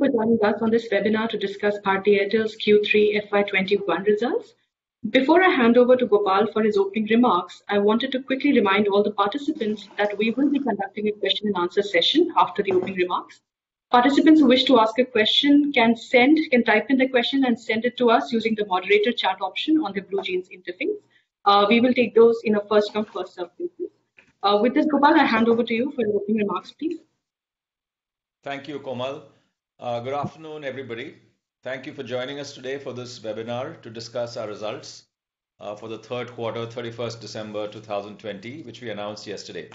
Thank you for joining us on this webinar to discuss Bharti Airtel's Q3 FY 2021 results. Before I hand over to Gopal for his opening remarks, I wanted to quickly remind all the participants that we will be conducting a question and answer session after the opening remarks. Participants who wish to ask a question can type in the question and send it to us using the moderator chat option on the BlueJeans interface. We will take those in a first come, first served basis. With this, Gopal, I hand over to you for your opening remarks, please. Thank you, Komal. Good afternoon, everybody. Thank you for joining us today for this webinar to discuss our results for the third quarter, 31st December 2020, which we announced yesterday.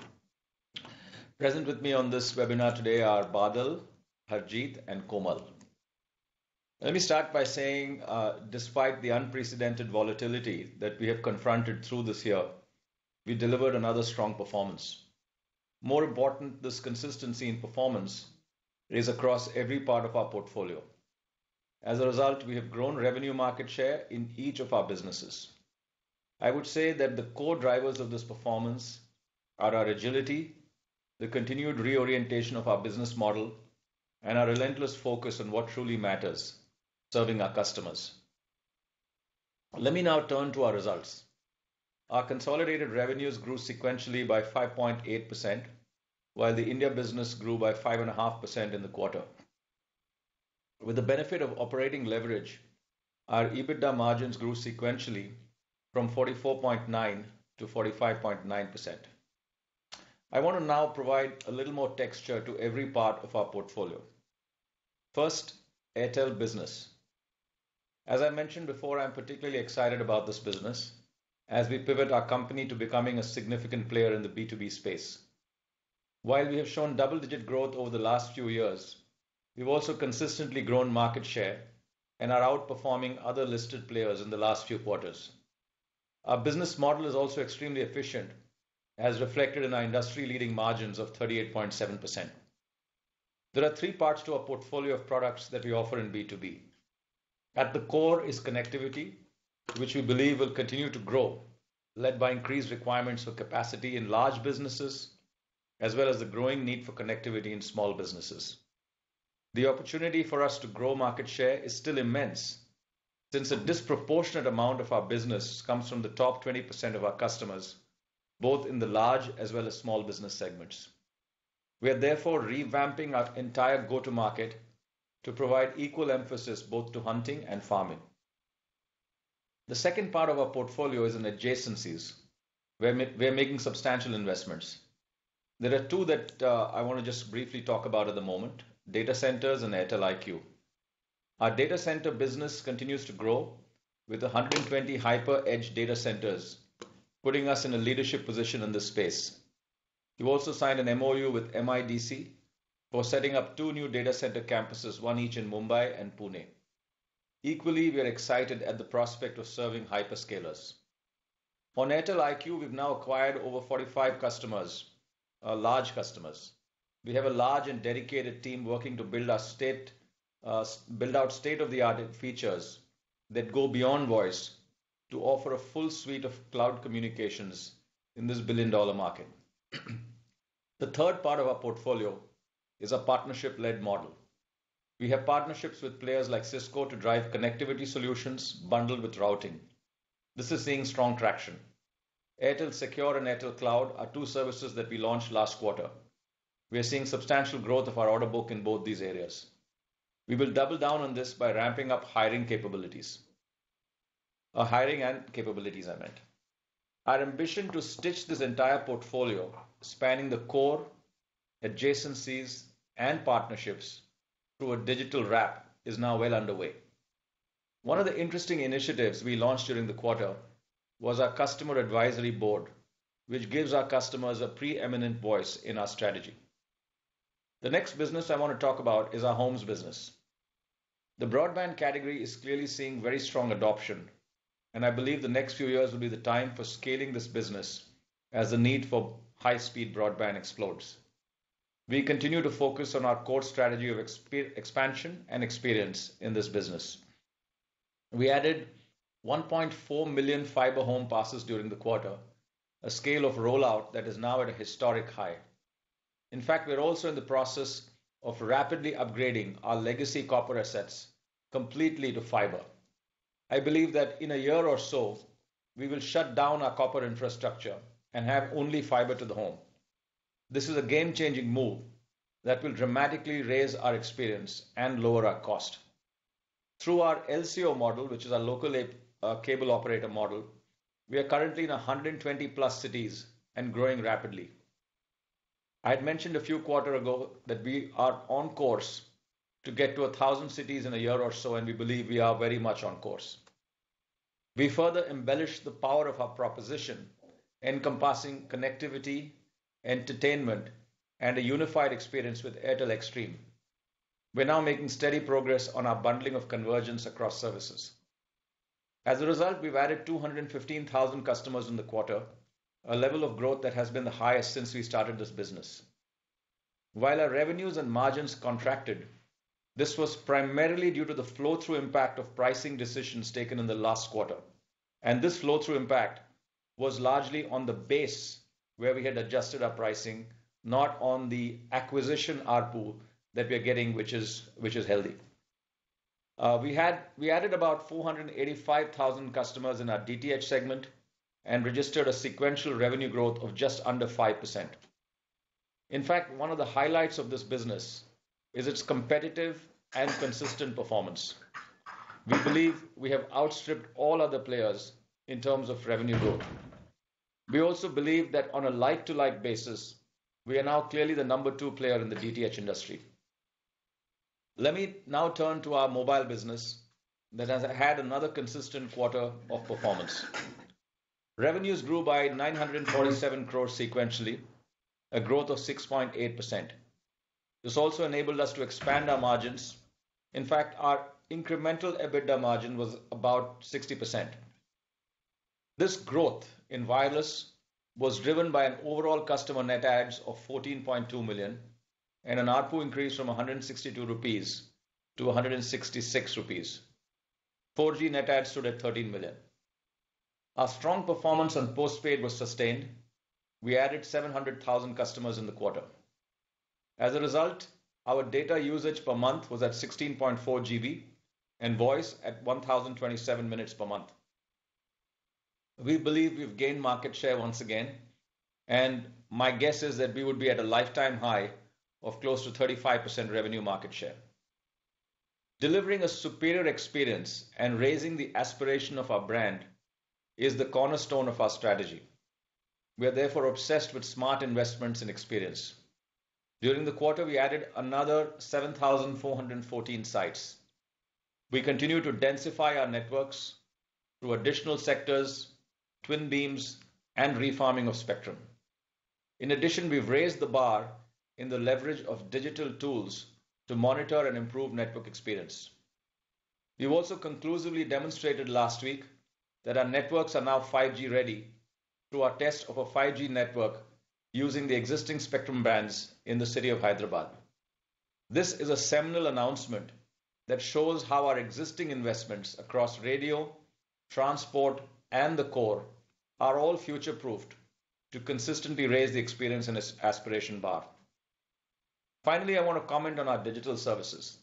Present with me on this webinar today are Badal, Harjeet, and Komal. Let me start by saying, despite the unprecedented volatility that we have confronted through this year, we delivered another strong performance. More important, this consistency in performance is across every part of our portfolio. As a result, we have grown revenue market share in each of our businesses. I would say that the core drivers of this performance are our agility, the continued reorientation of our business model, and our relentless focus on what truly matters, serving our customers. Let me now turn to our results. Our consolidated revenues grew sequentially by 5.8%, while the India business grew by 5.5% in the quarter. With the benefit of operating leverage, our EBITDA margins grew sequentially from 44.9% to 45.9%. I want to now provide a little more texture to every part of our portfolio. First, Airtel Business. As I mentioned before, I'm particularly excited about this business as we pivot our company to becoming a significant player in the B2B space. While we have shown double-digit growth over the last few years, we've also consistently grown market share and are outperforming other listed players in the last few quarters. Our business model is also extremely efficient, as reflected in our industry-leading margins of 38.7%. There are three parts to our portfolio of products that we offer in B2B. At the core is connectivity, which we believe will continue to grow, led by increased requirements for capacity in large businesses, as well as the growing need for connectivity in small businesses. The opportunity for us to grow market share is still immense, since a disproportionate amount of our business comes from the top 20% of our customers, both in the large as well as small business segments. We are therefore revamping our entire go-to-market to provide equal emphasis both to hunting and farming. The second part of our portfolio is in adjacencies, where we're making substantial investments. There are two that I want to just briefly talk about at the moment, data centers and Airtel IQ. Our data center business continues to grow with 120 hyper edge data centers, putting us in a leadership position in this space. We've also signed an MoU with MIDC for setting up two new data center campuses, one each in Mumbai and Pune. Equally, we are excited at the prospect of serving hyperscalers. On Airtel IQ, we've now acquired over 45 large customers. We have a large and dedicated team working to build out state-of-the-art features that go beyond voice to offer a full suite of cloud communications in this billion-dollar market. The third part of our portfolio is a partnership-led model. We have partnerships with players like Cisco to drive connectivity solutions bundled with routing. This is seeing strong traction. Airtel Secure and Airtel Cloud are two services that we launched last quarter. We are seeing substantial growth of our order book in both these areas. We will double down on this by ramping up hiring capabilities. Our ambition to stitch this entire portfolio, spanning the core, adjacencies, and partnerships through a digital wrap is now well underway. One of the interesting initiatives we launched during the quarter was our customer advisory board, which gives our customers a preeminent voice in our strategy. The next business I want to talk about is our homes business. The broadband category is clearly seeing very strong adoption, and I believe the next few years will be the time for scaling this business as the need for high-speed broadband explodes. We continue to focus on our core strategy of expansion and experience in this business. We added 1.4 million fiber home passes during the quarter, a scale of rollout that is now at a historic high. In fact, we're also in the process of rapidly upgrading our legacy copper assets completely to fiber. I believe that in one year or so, we will shut down our copper infrastructure and have only fiber to the home. This is a game-changing move that will dramatically raise our experience and lower our cost. Through our LCO model, which is our local cable operator model, we are currently in 120 plus cities and growing rapidly. I had mentioned a few quarters ago that we are on course to get to 1,000 cities in a year or so, and we believe we are very much on course. We further embellish the power of our proposition, encompassing connectivity, entertainment, and a unified experience with Airtel Xstream. We're now making steady progress on our bundling of convergence across services. As a result, we've added 215,000 customers in the quarter, a level of growth that has been the highest since we started this business. While our revenues and margins contracted. This was primarily due to the flow-through impact of pricing decisions taken in the last quarter. This flow-through impact was largely on the base where we had adjusted our pricing, not on the acquisition ARPU that we are getting, which is healthy. We added about 485,000 customers in our DTH segment and registered a sequential revenue growth of just under 5%. In fact, one of the highlights of this business is its competitive and consistent performance. We believe we have outstripped all other players in terms of revenue growth. We also believe that on a like-to-like basis, we are now clearly the number two player in the DTH industry. Let me now turn to our mobile business that has had another consistent quarter of performance. Revenues grew by 947 crore sequentially, a growth of 6.8%. This also enabled us to expand our margins. In fact, our incremental EBITDA margin was about 60%. This growth in wireless was driven by an overall customer net adds of 14.2 million and an ARPU increase from 162 rupees to 166 rupees. 4G net adds stood at 13 million. Our strong performance on postpaid was sustained. We added 700,000 customers in the quarter. As a result, our data usage per month was at 16.4 GB and voice at 1,027 minutes per month. We believe we've gained market share once again, and my guess is that we would be at a lifetime high of close to 35% revenue market share. Delivering a superior experience and raising the aspiration of our brand is the cornerstone of our strategy. We are therefore obsessed with smart investments and experience. During the quarter, we added another 7,414 sites. We continue to densify our networks through additional sectors, twin beams, and refarming of spectrum. In addition, we've raised the bar in the leverage of digital tools to monitor and improve network experience. We've also conclusively demonstrated last week that our networks are now 5G ready through our test of a 5G network using the existing spectrum bands in the city of Hyderabad. This is a seminal announcement that shows how our existing investments across radio, transport, and the core are all future-proofed to consistently raise the experience and aspiration bar. Finally, I want to comment on our digital services.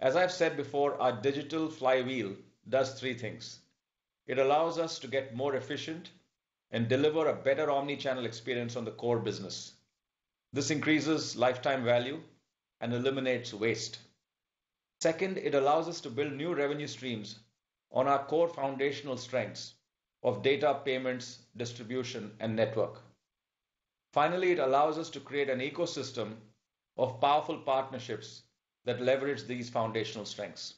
As I've said before, our digital flywheel does three things. It allows us to get more efficient and deliver a better omnichannel experience on the core business. This increases lifetime value and eliminates waste. Second, it allows us to build new revenue streams on our core foundational strengths of data, payments, distribution, and network. Finally, it allows us to create an ecosystem of powerful partnerships that leverage these foundational strengths.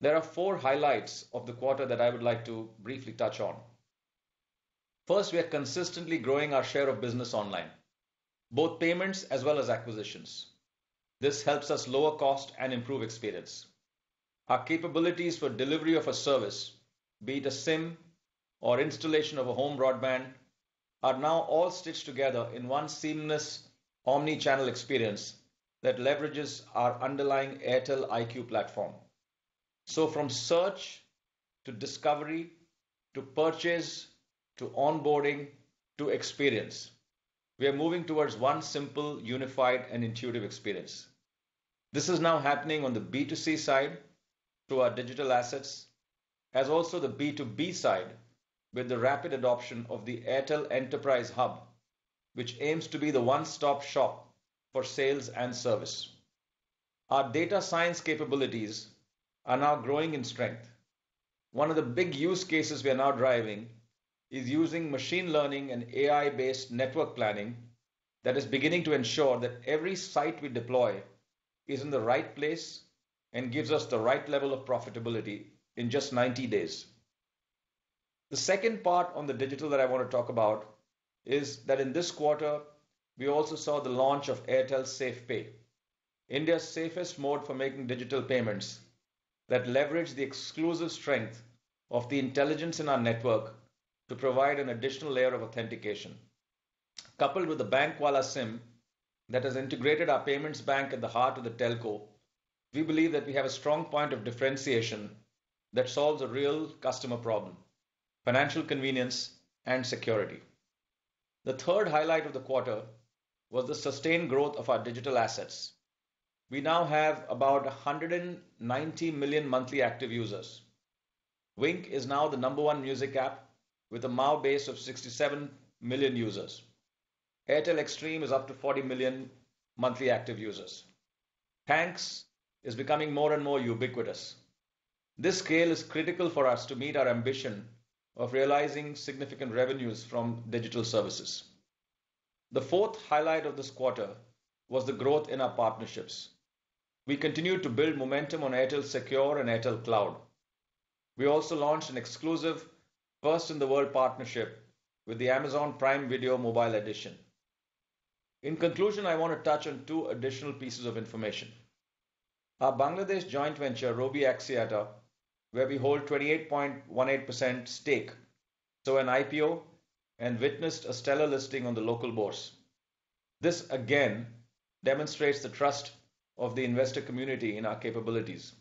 There are four highlights of the quarter that I would like to briefly touch on. First, we are consistently growing our share of business online, both payments as well as acquisitions. This helps us lower cost and improve experience. Our capabilities for delivery of a service, be it a SIM or installation of a home broadband, are now all stitched together in one seamless omnichannel experience that leverages our underlying Airtel IQ platform. From search to discovery, to purchase, to onboarding, to experience, we are moving towards one simple, unified, and intuitive experience. This is now happening on the B2C side through our digital assets, as also the B2B side with the rapid adoption of the Airtel Enterprise Hub, which aims to be the one-stop shop for sales and service. Our data science capabilities are now growing in strength. One of the big use cases we are now driving is using machine learning and AI-based network planning that is beginning to ensure that every site we deploy is in the right place and gives us the right level of profitability in just 90 days. The second part on the digital that I want to talk about is that in this quarter, we also saw the launch of Airtel Safe Pay, India's safest mode for making digital payments that leverage the exclusive strength of the intelligence in our network to provide an additional layer of authentication. Coupled with the Bankwala SIM that has integrated our payments bank at the heart of the telco, we believe that we have a strong point of differentiation that solves a real customer problem, financial convenience and security. The third highlight of the quarter was the sustained growth of our digital assets. We now have about 190 million monthly active users. Wynk is now the number one music app with a MAU base of 67 million users. Airtel Xstream is up to 40 million monthly active users. Thanks is becoming more and more ubiquitous. This scale is critical for us to meet our ambition of realizing significant revenues from digital services. The fourth highlight of this quarter was the growth in our partnerships. We continue to build momentum on Airtel Secure and Airtel Cloud. We also launched an exclusive first-in-the-world partnership with the Amazon Prime Video Mobile Edition. In conclusion, I want to touch on two additional pieces of information. Our Bangladesh joint venture, Robi Axiata, where we hold 28.18% stake saw an IPO and witnessed a stellar listing on the local bourse. This again demonstrates the trust of the investor community in our capabilities.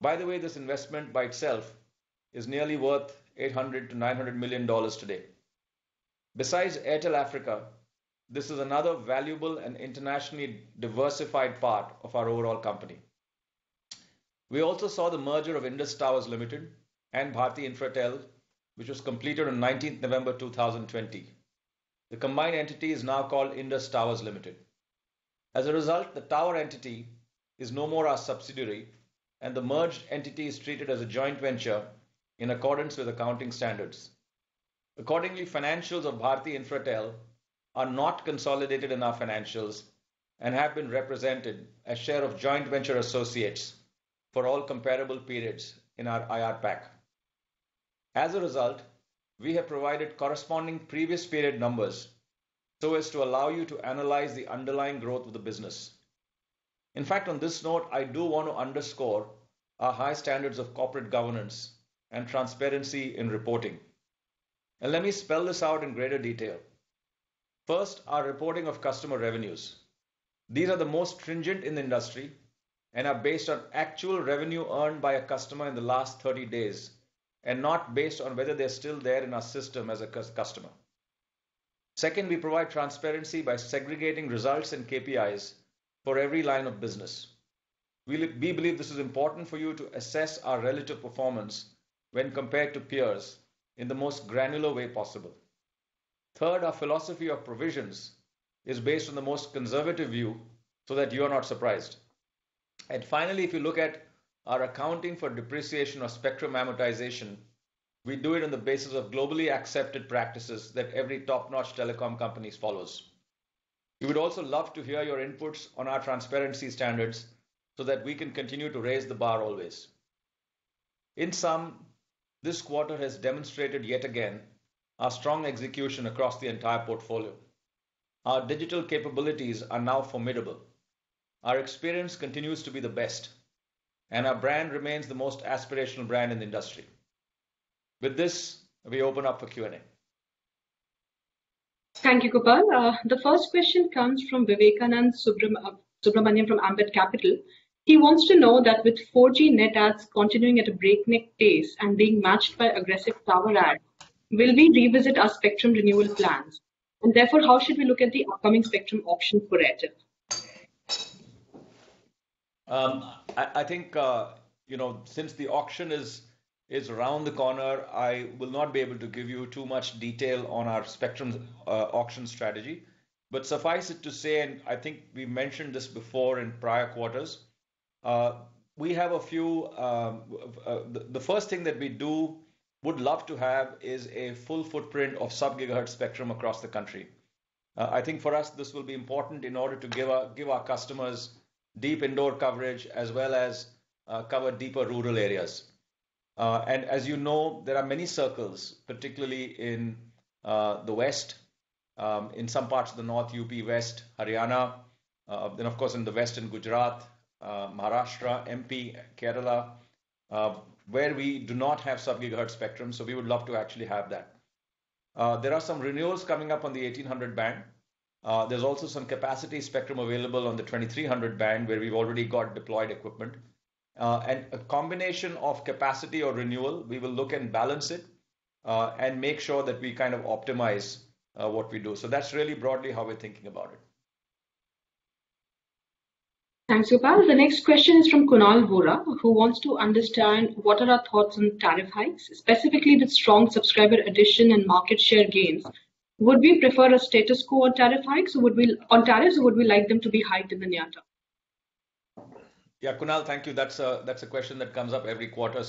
By the way, this investment by itself is nearly worth $800 million-$900 million today. Besides Airtel Africa, this is another valuable and internationally diversified part of our overall company. We also saw the merger of Indus Towers Limited and Bharti Infratel, which was completed on 19th November 2020. The combined entity is now called Indus Towers Limited. As a result, the tower entity is no more our subsidiary, and the merged entity is treated as a joint venture in accordance with accounting standards. Accordingly, financials of Bharti Infratel are not consolidated in our financials and have been represented as share of joint venture associates for all comparable periods in our IR pack. As a result, we have provided corresponding previous period numbers so as to allow you to analyze the underlying growth of the business. On this note, I do want to underscore our high standards of corporate governance and transparency in reporting. Let me spell this out in greater detail. First, our reporting of customer revenues. These are the most stringent in the industry and are based on actual revenue earned by a customer in the last 30 days, and not based on whether they're still there in our system as a customer. Second, we provide transparency by segregating results and KPIs for every line of business. We believe this is important for you to assess our relative performance when compared to peers in the most granular way possible. Third, our philosophy of provisions is based on the most conservative view, so that you are not surprised. Finally, if you look at our accounting for depreciation or spectrum amortization, we do it on the basis of globally accepted practices that every top-notch telecom companies follows. We would also love to hear your inputs on our transparency standards so that we can continue to raise the bar always. In sum, this quarter has demonstrated yet again our strong execution across the entire portfolio. Our digital capabilities are now formidable. Our experience continues to be the best, and our brand remains the most aspirational brand in the industry. With this, we open up for Q&A. Thank you, Gopal. The first question comes from Vivekanand Subbaraman from Ambit Capital. He wants to know that with 4G net adds continuing at a breakneck pace and being matched by aggressive tower adds, will we revisit our spectrum renewal plans? Therefore, how should we look at the upcoming spectrum auction for Airtel? I think, since the auction is around the corner, I will not be able to give you too much detail on our spectrum auction strategy. Suffice it to say, and I think we mentioned this before in prior quarters, the first thing that we do, would love to have, is a full footprint of sub-gigahertz spectrum across the country. I think for us, this will be important in order to give our customers deep indoor coverage as well as cover deeper rural areas. As you know, there are many circles, particularly in the West, in some parts of the North, U.P. West, Haryana, then, of course, in the West in Gujarat, Maharashtra, M.P., Kerala, where we do not have sub-gigahertz spectrum, so we would love to actually have that. There are some renewals coming up on the 1,800 band. There's also some capacity spectrum available on the 2,300 band, where we've already got deployed equipment. A combination of capacity or renewal, we will look and balance it, and make sure that we kind of optimize what we do. That's really broadly how we're thinking about it. Thanks, Gopal. The next question is from Kunal Vora, who wants to understand what are our thoughts on tariff hikes, specifically the strong subscriber addition and market share gains. Would we prefer a status quo on tariff hikes? On tariffs, would we like them to be hiked in the near term? Kunal, thank you. That's a question that comes up every quarter,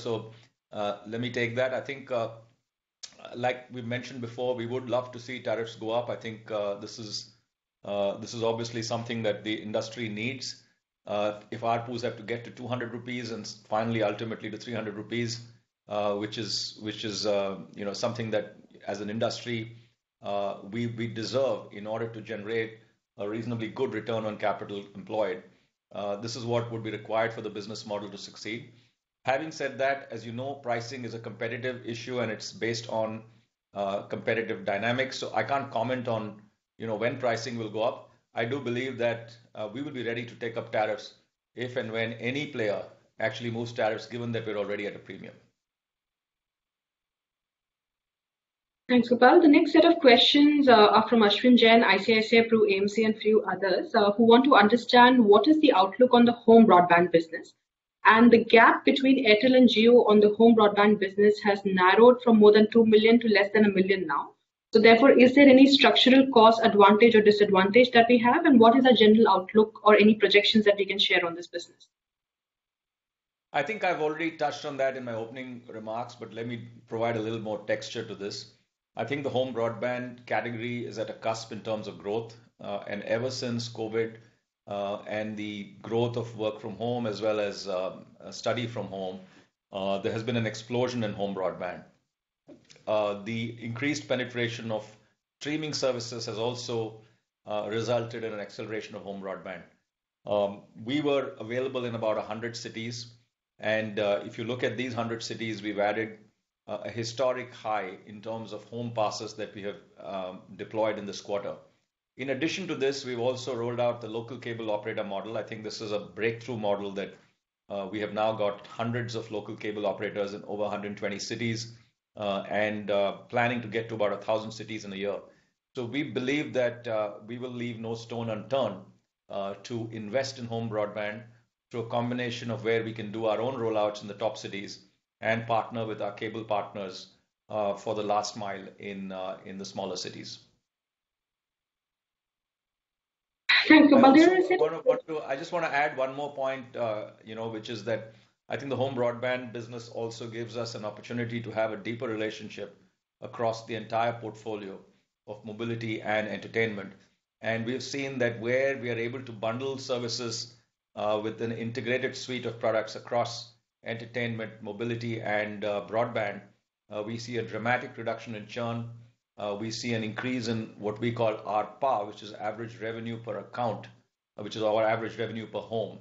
let me take that. I think, like we've mentioned before, we would love to see tariffs go up. I think this is obviously something that the industry needs. If ARPU have to get to 200 rupees and finally, ultimately, to 300 rupees, which is something that as an industry, we deserve in order to generate a reasonably good return on capital employed. This is what would be required for the business model to succeed. Having said that, as you know, pricing is a competitive issue, and it's based on competitive dynamics. I can't comment on when pricing will go up. I do believe that we will be ready to take up tariffs if and when any player actually moves tariffs, given that we're already at a premium. Thanks, Gopal. The next set of questions are from Ashwin Jain, ICICI Prudential AMC, and few others, who want to understand what is the outlook on the home broadband business. The gap between Airtel and Jio on the home broadband business has narrowed from more than 2 million to less than 1 million now. Is there any structural cost advantage or disadvantage that we have? What is our general outlook or any projections that we can share on this business? I think I've already touched on that in my opening remarks, but let me provide a little more texture to this. I think the home broadband category is at a cusp in terms of growth. Ever since COVID, and the growth of work from home as well as study from home, there has been an explosion in home broadband. The increased penetration of streaming services has also resulted in an acceleration of home broadband. We were available in about 100 cities. If you look at these 100 cities, we've added a historic high in terms of home passes that we have deployed in this quarter. In addition to this, we've also rolled out the local cable operator model. I think this is a breakthrough model that we have now got hundreds of local cable operators in over 120 cities, and planning to get to about 1,000 cities in a year. We believe that we will leave no stone unturned to invest in home broadband through a combination of where we can do our own rollouts in the top cities and partner with our cable partners for the last mile in the smaller cities. Thank you, Gopal. I just want to add one more point, which is that I think the home broadband business also gives us an opportunity to have a deeper relationship across the entire portfolio of mobility and entertainment. We have seen that where we are able to bundle services with an integrated suite of products across entertainment, mobility, and broadband, we see a dramatic reduction in churn. We see an increase in what we call ARPA, which is average revenue per account, which is our average revenue per home.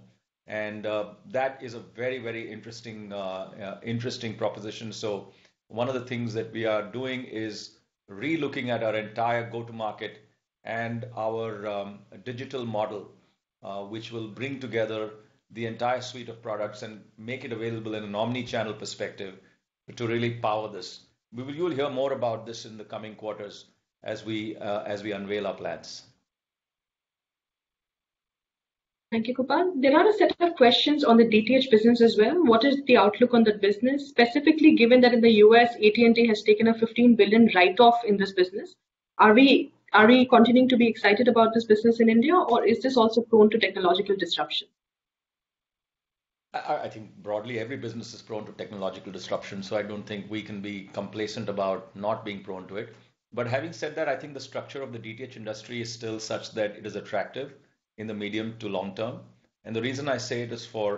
That is a very interesting proposition. One of the things that we are doing is re-looking at our entire go-to-market and our digital model, which will bring together the entire suite of products and make it available in an omnichannel perspective to really power this. You will hear more about this in the coming quarters as we unveil our plans. Thank you, Gopal. There are a set of questions on the DTH business as well. What is the outlook on that business? Specifically, given that in the U.S., AT&T has taken a $15 billion write-off in this business. Are we continuing to be excited about this business in India, or is this also prone to technological disruption? I think broadly, every business is prone to technological disruption, so I don't think we can be complacent about not being prone to it. Having said that, I think the structure of the DTH industry is still such that it is attractive in the medium to long term. The reason I say it is for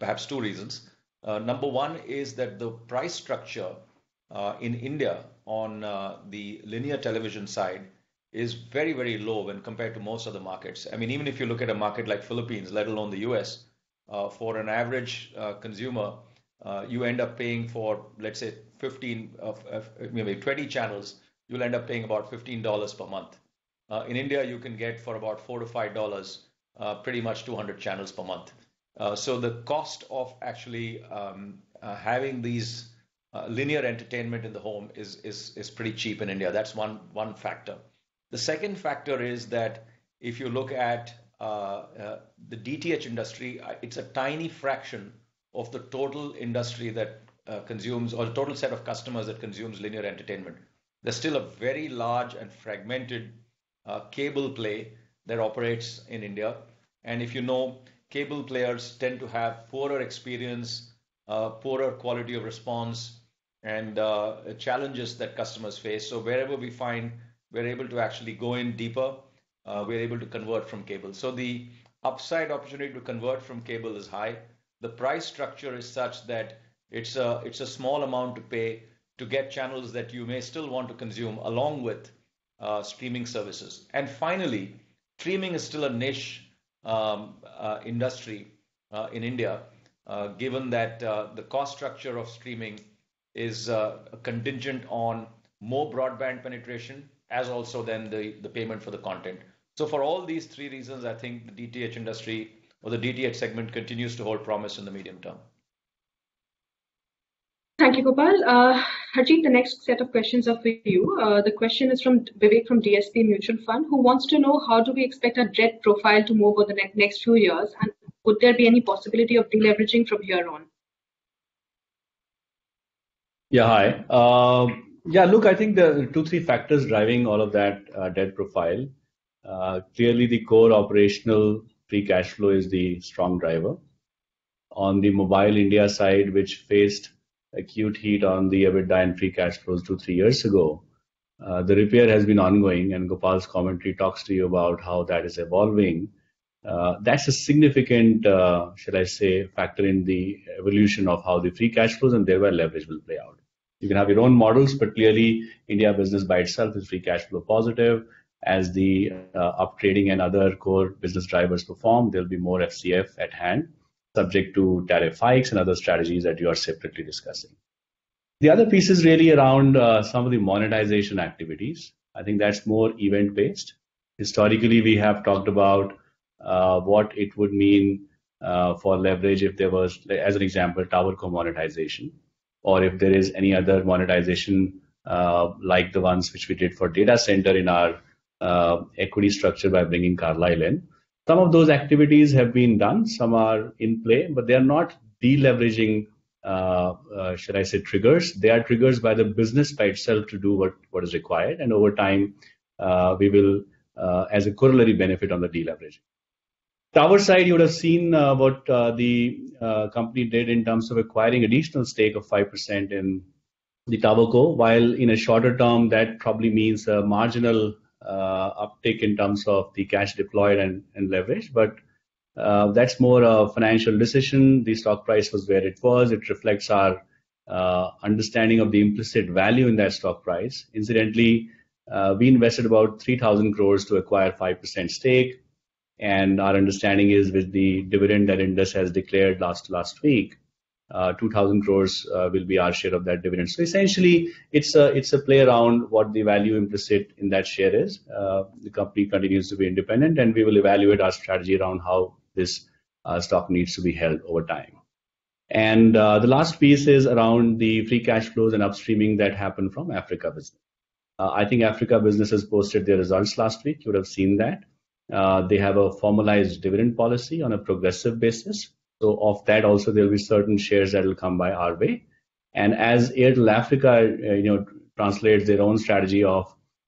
perhaps two reasons. Number one is that the price structure in India on the linear television side is very low when compared to most other markets. Even if you look at a market like Philippines, let alone the U.S., for an average consumer, you end up paying for, let's say, 15, maybe 20 channels, you'll end up paying about $15 per month. In India, you can get for about $4 to $5, pretty much 200 channels per month. The cost of actually having these linear entertainment in the home is pretty cheap in India. That's one factor. The second factor is that if you look at the DTH industry, it's a tiny fraction of the total industry that consumes or the total set of customers that consumes linear entertainment. There's still a very large and fragmented cable play that operates in India. If you know, cable players tend to have poorer experience, poorer quality of response, and challenges that customers face. Wherever we find we're able to actually go in deeper, we're able to convert from cable. The upside opportunity to convert from cable is high. The price structure is such that it's a small amount to pay to get channels that you may still want to consume along with streaming services. Finally, streaming is still a niche industry in India, given that the cost structure of streaming is contingent on more broadband penetration, as also then the payment for the content. For all these three reasons, I think the DTH industry or the DTH segment continues to hold promise in the medium term. Thank you, Gopal. Harjeet, the next set of questions are for you. The question is from Vivek from DSP Mutual Fund, who wants to know how do we expect our debt profile to move over the next few years, and would there be any possibility of deleveraging from here on? Yeah, hi. Look, I think there are two, three factors driving all of that debt profile. Clearly, the core operational free cash flow is the strong driver. On the Mobile India side, which faced acute heat on the EBITDA and free cash flows two, three years ago, the repair has been ongoing and Gopal's commentary talks to you about how that is evolving. That's a significant, should I say, factor in the evolution of how the free cash flows and their leverage will play out. You can have your own models, clearly, India business by itself is free cash flow positive. As the upgrading and other core business drivers perform, there will be more FCF at hand, subject to tariff hikes and other strategies that you are separately discussing. The other piece is really around some of the monetization activities. I think that's more event-based. Historically, we have talked about what it would mean for leverage if there was, as an example, towerco monetization, or if there is any other monetization, like the ones which we did for data center in our equity structure by bringing Carlyle in. Some of those activities have been done, some are in play, they are not deleveraging, should I say, triggers. They are triggers by the business by itself to do what is required, over time, we will as a corollary benefit on the deleverage. Tower side, you would have seen what the company did in terms of acquiring an additional stake of 5% in the towerco. While in a shorter term, that probably means a marginal uptick in terms of the cash deployed and leverage. That's more a financial decision. The stock price was where it was. It reflects our understanding of the implicit value in their stock price. Incidentally, we invested about 3,000 crore to acquire 5% stake. Our understanding is with the dividend that Indus has declared last week, 2,000 crore will be our share of that dividend. Essentially, it's a play around what the value implicit in that share is. The company continues to be independent. We will evaluate our strategy around how this stock needs to be held over time. The last piece is around the free cash flows and upstreaming that happened from Airtel Africa. I think Airtel Africa has posted their results last week. You would have seen that. They have a formalized dividend policy on a progressive basis. Off that also, there will be certain shares that will come by our way. As Airtel Africa translates their own strategy of,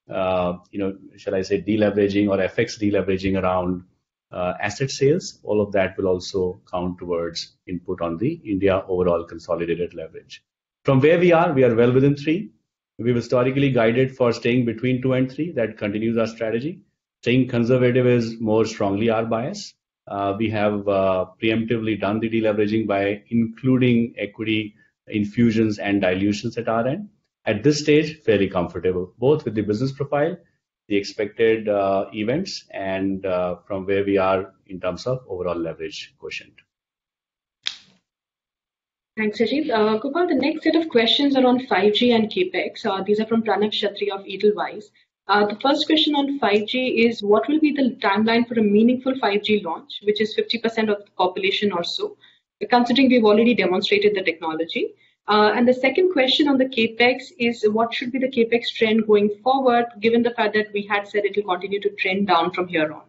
should I say, deleveraging or FX deleveraging around asset sales, all of that will also count towards input on the India overall consolidated leverage. From where we are, we are well within three. We've historically guided for staying between two and three. That continues our strategy. Staying conservative is more strongly our bias. We have preemptively done the deleveraging by including equity infusions and dilutions at our end. At this stage, fairly comfortable, both with the business profile, the expected events, and from where we are in terms of overall leverage quotient. Thanks, Harjeet. Gopal, the next set of questions are on 5G and CapEx. These are from Pranav Kshatriya of Edelweiss. The first question on 5G is, what will be the timeline for a meaningful 5G launch, which is 50% of the population or so, considering we've already demonstrated the technology? The second question on the CapEx is, what should be the CapEx trend going forward given the fact that we had said it will continue to trend down from here on?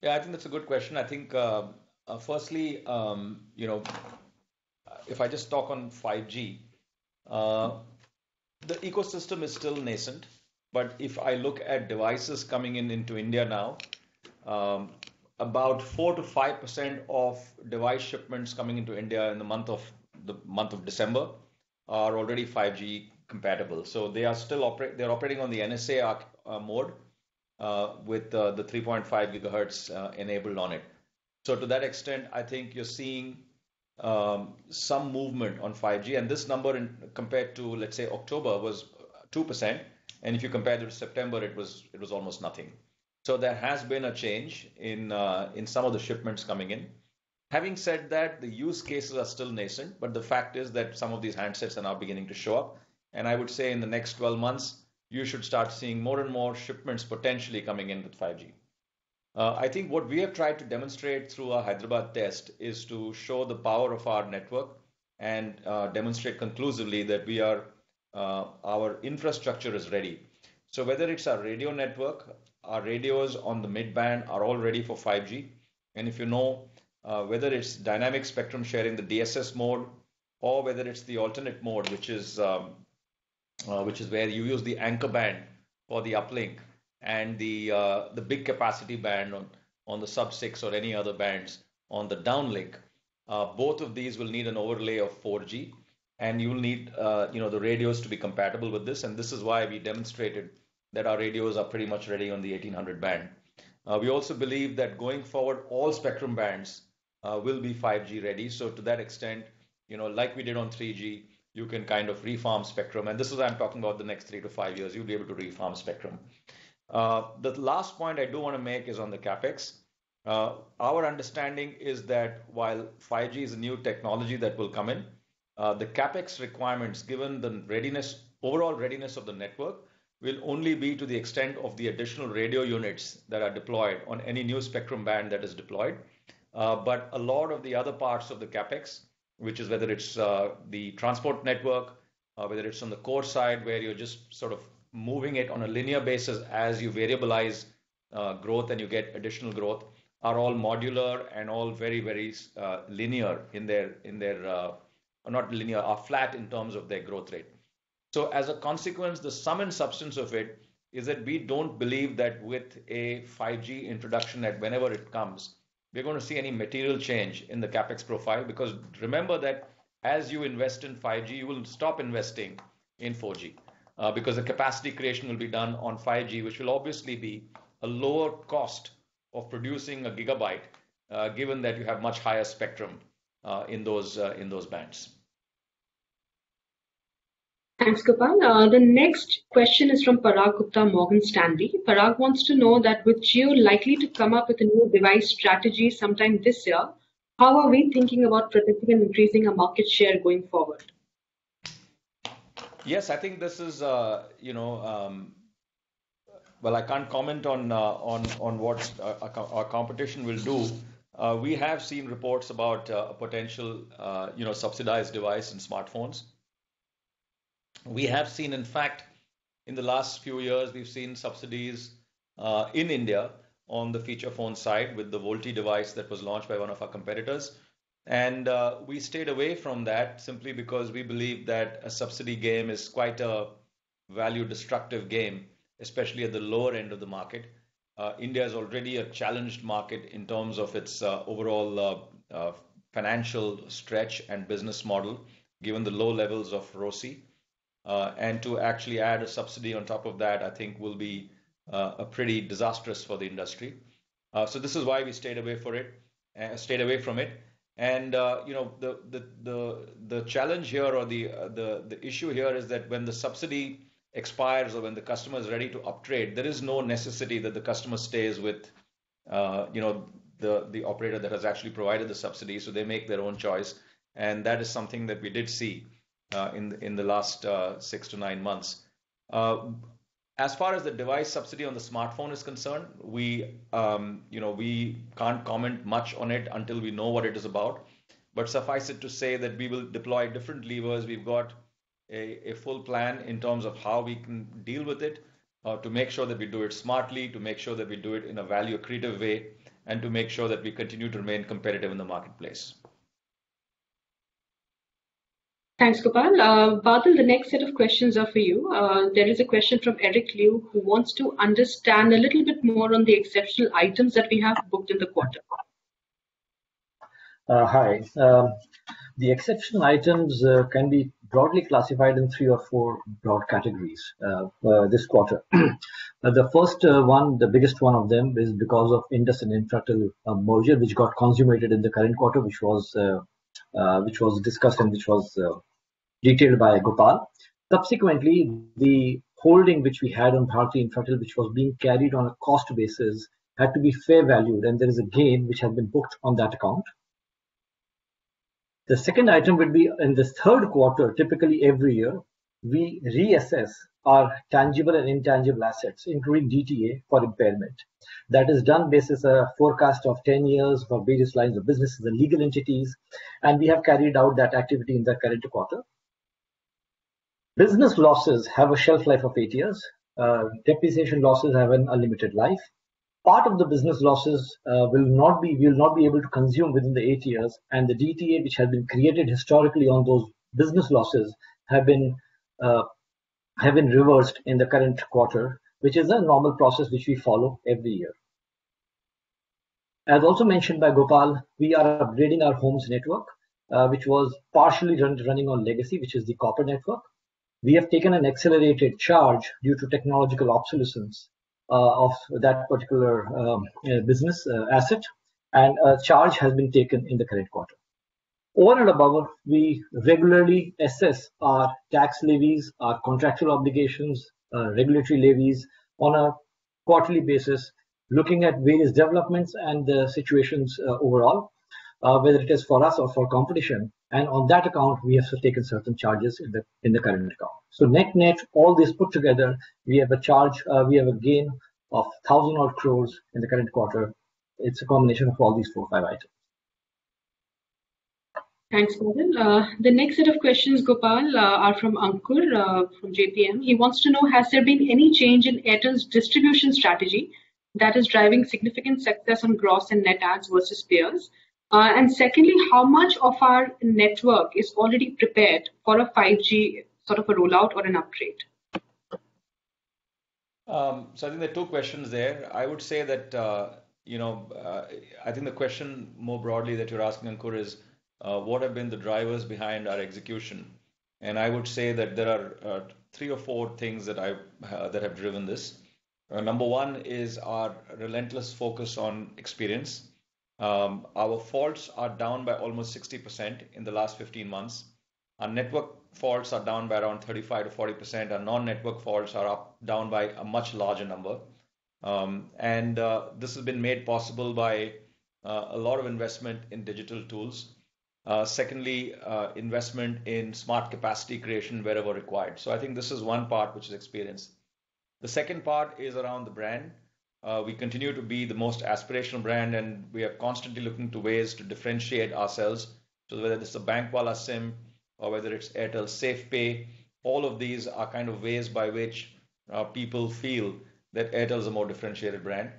Yeah, I think that's a good question. I think, firstly, if I just talk on 5G, the ecosystem is still nascent, but if I look at devices coming into India now, about 4%-5% of device shipments coming into India in the month of December are already 5G compatible. They're operating on the NSA architecture mode, with the 3.5 GHz enabled on it. To that extent, I think you're seeing some movement on 5G. This number compared to, let's say, October, was 2%. If you compare it to September, it was almost nothing. There has been a change in some of the shipments coming in. Having said that, the use cases are still nascent, but the fact is that some of these handsets are now beginning to show up. I would say in the next 12 months, you should start seeing more and more shipments potentially coming in with 5G. I think what we have tried to demonstrate through our Hyderabad test is to show the power of our network and demonstrate conclusively that our infrastructure is ready. Whether it's our radio network, our radios on the mid-band are all ready for 5G. If you know, whether it's dynamic spectrum sharing, the DSS mode, or whether it's the alternate mode, which is where you use the anchor band or the uplink and the big capacity band on the sub-6 or any other bands on the downlink. Both of these will need an overlay of 4G, and you'll need the radios to be compatible with this. This is why we demonstrated that our radios are pretty much ready on the 1,800 band. We also believe that going forward, all spectrum bands will be 5G ready. To that extent, like we did on 3G, you can kind of refarm spectrum. This is, I'm talking about the next three to five years, you'll be able to refarm spectrum. The last point I do want to make is on the CapEx. Our understanding is that while 5G is a new technology that will come in, the CapEx requirements, given the overall readiness of the network, will only be to the extent of the additional radio units that are deployed on any new spectrum band that is deployed. A lot of the other parts of the CapEx, which is whether it's the transport network, or whether it's on the core side, where you're just sort of moving it on a linear basis as you variabilize growth and you get additional growth, are all modular and all very linear in their, are flat in terms of their growth rate. As a consequence, the sum and substance of it is that we don't believe that with a 5G introduction, that whenever it comes, we're going to see any material change in the CapEx profile. Remember that as you invest in 5G, you will stop investing in 4G. The capacity creation will be done on 5G, which will obviously be a lower cost of producing a gigabyte, given that you have much higher spectrum in those bands. Thanks, Gopal. The next question is from Parag Gupta, Morgan Stanley. Parag wants to know that with Jio likely to come up with a new device strategy sometime this year, how are we thinking about participating in increasing our market share going forward? Yes, I can't comment on what our competition will do. We have seen reports about a potential subsidized device and smartphones. We have seen, in fact, in the last few years, we've seen subsidies, in India, on the feature phone side with the VoLTE device that was launched by one of our competitors. We stayed away from that simply because we believe that a subsidy game is quite a value-destructive game, especially at the lower end of the market. India is already a challenged market in terms of its overall financial stretch and business model, given the low levels of ROIC. To actually add a subsidy on top of that, I think will be pretty disastrous for the industry. This is why we stayed away from it. The challenge here or the issue here is that when the subsidy expires or when the customer is ready to upgrade, there is no necessity that the customer stays with the operator that has actually provided the subsidy. They make their own choice. That is something that we did see in the last six to nine months. As far as the device subsidy on the smartphone is concerned, we can't comment much on it until we know what it is about. Suffice it to say that we will deploy different levers. We've got a full plan in terms of how we can deal with it, to make sure that we do it smartly, to make sure that we do it in a value-accretive way, and to make sure that we continue to remain competitive in the marketplace. Thanks, Gopal. Badal, the next set of questions are for you. There is a question from Eric Liu, who wants to understand a little bit more on the exceptional items that we have booked in the quarter. Hi. The exceptional items can be broadly classified in three or four broad categories this quarter. The first one, the biggest one of them, is because of Indus and Infratel merger, which got consummated in the current quarter, which was discussed and which was detailed by Gopal. Subsequently, the holding which we had on Bharti Infratel, which was being carried on a cost basis, had to be fair valued, and there is a gain which has been booked on that account. The second item would be in this third quarter, typically every year, we reassess our tangible and intangible assets, including DTA, for impairment. That is done based as a forecast of 10 years for various lines of businesses and legal entities, and we have carried out that activity in the current quarter. Business losses have a shelf life of eight years. Depreciation losses have an unlimited life. Part of the business losses we'll not be able to consume within the eight years. The DTA which has been created historically on those business losses have been reversed in the current quarter, which is a normal process which we follow every year. As also mentioned by Gopal, we are upgrading our homes network, which was partially running on legacy, which is the copper network. We have taken an accelerated charge due to technological obsolescence of that particular business asset. A charge has been taken in the current quarter. All of the above, we regularly assess our tax levies, our contractual obligations, regulatory levies on a quarterly basis, looking at various developments and the situations overall, whether it is for us or for competition. On that account, we have taken certain charges in the current account. Net-net, all this put together, we have a gain of thousand of crores in the current quarter. It's a combination of all these four, five items. Thanks, Badal. The next set of questions, Gopal, are from Ankur, from JPM. He wants to know, has there been any change in Airtel's distribution strategy that is driving significant success on gross and net adds versus peers? Secondly, how much of our network is already prepared for a 5G sort of a rollout or an upgrade? I think there are two questions there. I would say that, I think the question more broadly that you're asking, Ankur, is, what have been the drivers behind our execution? I would say that there are three or four things that have driven this. Number one is our relentless focus on experience. Our faults are down by almost 60% in the last 15 months. Our network faults are down by around 35%-40%. Our non-network faults are down by a much larger number. This has been made possible by a lot of investment in digital tools. Secondly, investment in smart capacity creation wherever required. I think this is one part which is experience. The second part is around the brand. We continue to be the most aspirational brand, and we are constantly looking to ways to differentiate ourselves. Whether this is a Bankwala SIM or whether it's Airtel Safe Pay, all of these are kind of ways by which people feel that Airtel is a more differentiated brand.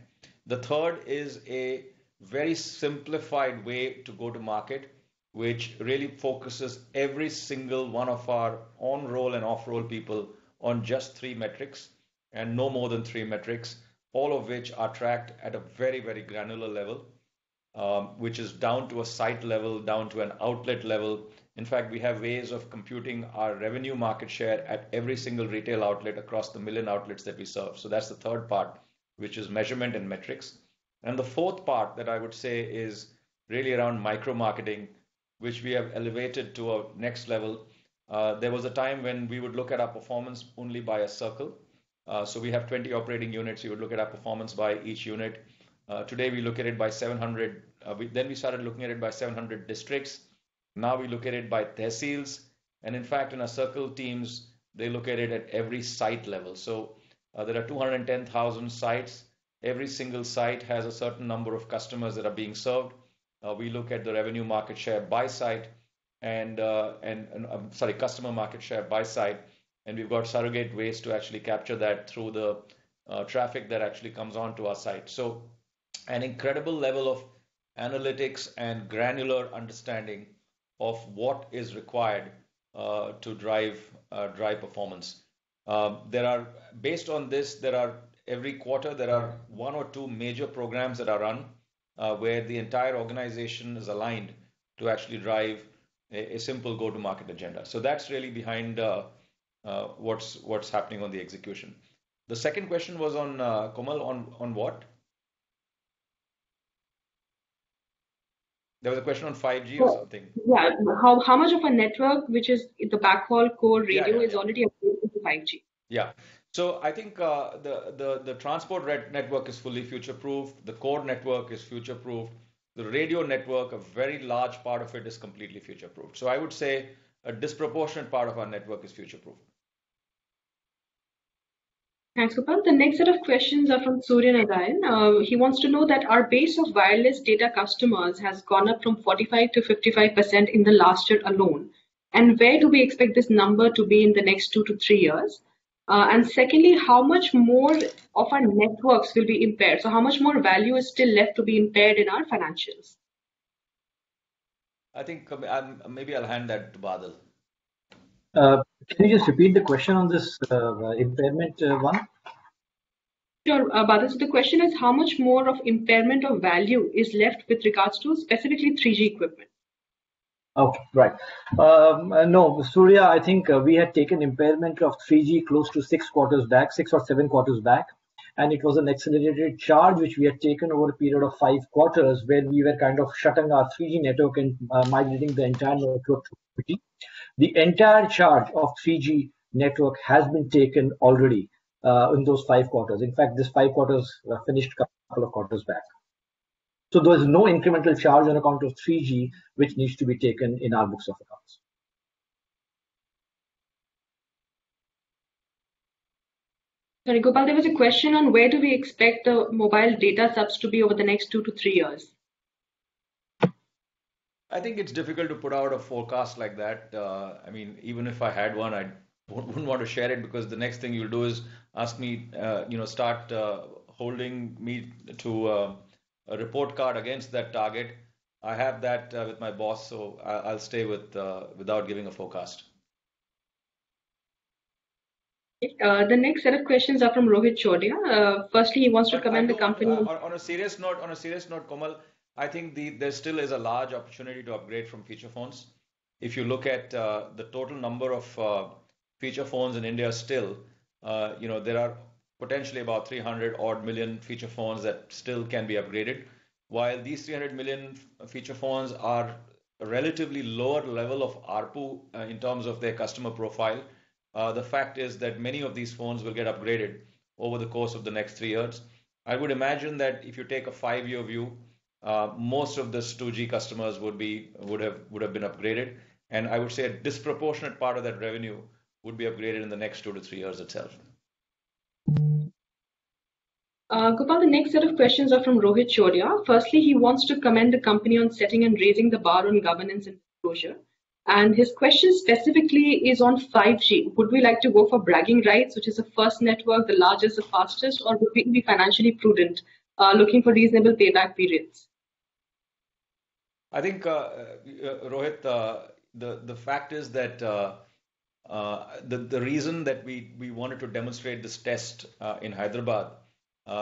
The third is a very simplified way to go to market, which really focuses every single one of our on-roll and off-roll people on just three metrics, and no more than three metrics, all of which are tracked at a very, very granular level, which is down to a site level, down to an outlet level. In fact, we have ways of computing our revenue market share at every single retail outlet across the million outlets that we serve. That's the third part, which is measurement and metrics. The fourth part that I would say is really around micro-marketing, which we have elevated to a next level. There was a time when we would look at our performance only by a circle. We have 20 operating units. You would look at our performance by each unit. We started looking at it by 700 districts. Now we look at it by tehsils. In fact, in our circle teams, they look at it at every site level. There are 210,000 sites. Every single site has a certain number of customers that are being served. We look at the revenue market share by site, sorry, customer market share by site, and we've got surrogate ways to actually capture that through the traffic that actually comes onto our site. An incredible level of analytics and granular understanding of what is required to drive performance. Based on this, every quarter, there are one or two major programs that are run, where the entire organization is aligned to actually drive a simple go-to-market agenda. The second question was on, Komal, on what? There was a question on 5G or something. Yeah. How much of a network, which is the backhaul core radio- Yeah is already upgraded to 5G? Yeah. I think the transport network is fully future-proof. The core network is future-proof. The radio network, a very large part of it is completely future-proof. I would say a disproportionate part of our network is future-proof. Thanks, Gopal. The next set of questions are from Surya Nagail. He wants to know that our base of wireless data customers has gone up from 45%-55% in the last year alone. Where do we expect this number to be in the next two to three years? Secondly, how much more of our networks will be impaired? How much more value is still left to be impaired in our financials? I think maybe I'll hand that to Badal. Can you just repeat the question on this impairment one? Sure, Badal. The question is, how much more of impairment of value is left with regards to specifically 3G equipment? Okay. Right. No, Surya, I think we had taken impairment of 3G close to six or seven quarters back, and it was an accelerated charge, which we had taken over a period of five quarters where we were kind of shutting our 3G network and migrating the entire network to 4G. The entire charge of 3G network has been taken already in those five quarters. In fact, these five quarters were finished a couple of quarters back. So there is no incremental charge on account of 3G, which needs to be taken in our books of accounts. Sorry, Gopal, there was a question on where do we expect the mobile data subs to be over the next two to three years. I think it's difficult to put out a forecast like that. Even if I had one, I wouldn't want to share it because the next thing you'll do is start holding me to a report card against that target. I have that with my boss, so I'll stay without giving a forecast. The next set of questions are from Rohit Chordia. Firstly, he wants to commend the company. On a serious note, Komal, I think there still is a large opportunity to upgrade from feature phones. If you look at the total number of feature phones in India, still, there are potentially about 300 odd million feature phones that still can be upgraded. While these 300 million feature phones are relatively lower level of ARPU in terms of their customer profile, the fact is that many of these phones will get upgraded over the course of the next three years. I would imagine that if you take a five-year view, most of these 2G customers would have been upgraded, and I would say a disproportionate part of that revenue would be upgraded in the next two to three years itself. Gopal, the next set of questions are from Rohit Chordia. Firstly, he wants to commend the company on setting and raising the bar on governance and disclosure, and his question specifically is on 5G. Would we like to go for bragging rights, which is the first network, the largest, the fastest, or would we be financially prudent, looking for reasonable payback periods? I think, Rohit, the reason that we wanted to demonstrate this test in Hyderabad,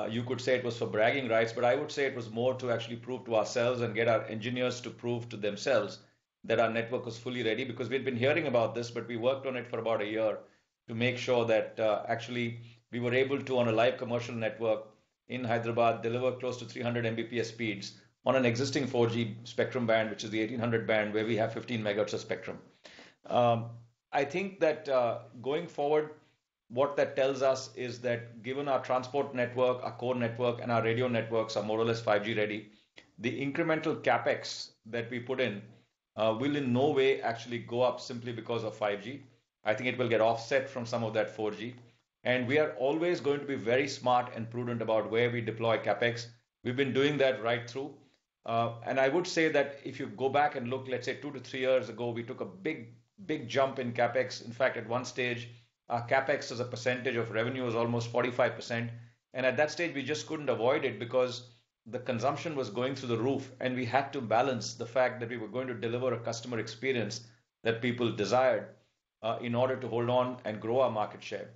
you could say it was for bragging rights, but I would say it was more to actually prove to ourselves and get our engineers to prove to themselves that our network was fully ready. We've been hearing about this, but we worked on it for about a year to make sure that actually we were able to, on a live commercial network in Hyderabad, deliver close to 300 Mbps speeds on an existing 4G spectrum band, which is the 1,800 band, where we have 15 MHz of spectrum. I think that going forward, what that tells us is that given our transport network, our core network, and our radio networks are more or less 5G ready, the incremental CapEx that we put in will in no way actually go up simply because of 5G. I think it will get offset from some of that 4G. We are always going to be very smart and prudent about where we deploy CapEx. We've been doing that right through. I would say that if you go back and look, let's say, two to three years ago, we took a big jump in CapEx. In fact, at one stage, our CapEx as a percentage of revenue was almost 45%. At that stage, we just couldn't avoid it because the consumption was going through the roof, and we had to balance the fact that we were going to deliver a customer experience that people desired, in order to hold on and grow our market share.